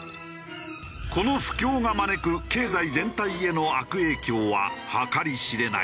この不況が招く経済全体への悪影響は計り知れない。